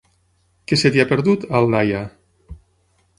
Què se t'hi ha perdut, a Aldaia?